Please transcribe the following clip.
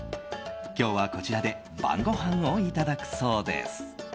今日は、こちらで晩ごはんをいただくそうです。